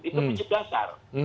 itu prinsip dasar